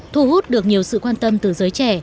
thu hút được nhiều sự quan tâm từ giới trẻ